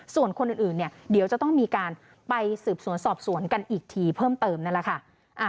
ส่วนคนอื่นเนี่ยเดี๋ยวจะต้องมีการไปสืบสวนสอบสวนกันอีกทีเพิ่มเติมนั่นแหละค่ะ